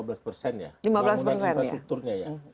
bangunan infrastrukturnya ya